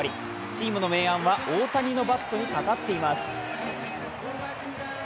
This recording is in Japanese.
チームの明暗は、大谷のバットにかかっています。